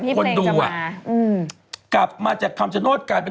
กลับมากว่าจากคำจนดกราศหน้าการเป็น๖๐๐๐๐